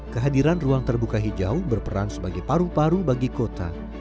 kehadiran ruang terbuka hijau berperan sebagai paru paru bagi kota